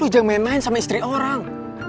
lo jangan main main sama istri orang